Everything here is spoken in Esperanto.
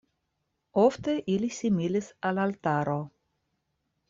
Ofte ili similis al altaro.